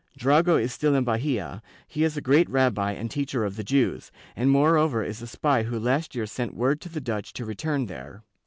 Drago is still in Bahfa; he is a great rabbi and teacher of the Jews, and moreover is a spy who last year sent word to the Dutch to return there.